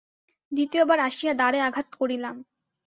দ্বিতীয়বার আসিয়া দ্বারে আঘাত করিলাম।